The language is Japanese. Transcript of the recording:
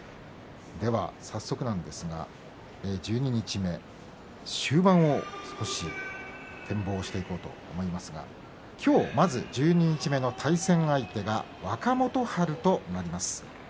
早速なんですが十二日目終盤を少し展望していこうと思いますが今日、まず十二日目の対戦相手が若元春となります。